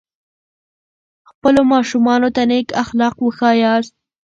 خپلو ماشومانو ته نیک اخلاق وښایاست.